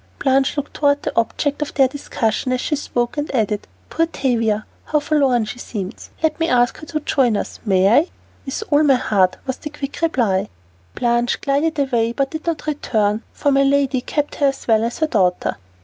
Blanche looked toward the object of discussion as she spoke, and added, "Poor Tavia, how forlorn she seems. Let me ask her to join us, may I?" "With all my heart" was the quick reply. Blanche glided away but did not return, for my lady kept her as well as her daughter.